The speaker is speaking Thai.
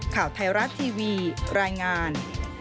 ข่าวไทยรัฐทีวีรายงาน